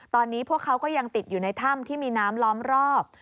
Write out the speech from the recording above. ตอนนี้พวกเขาก็ยังติดอยู่ในถ้ำที่มีน้ำล้อมรอบ